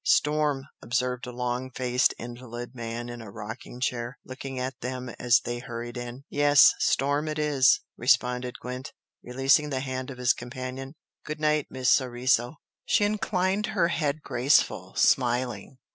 "Storm!" observed a long faced invalid man in a rocking chair, looking at them as they hurried in. "Yes! Storm it is!" responded Gwent, releasing the hand of his companion "Good night, Miss Soriso!" She inclined her head graceful, smiling.